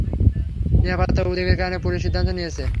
নিরাপত্তা উদ্বেগের কারণে পুলিশ সিদ্ধান্ত নিয়েছে।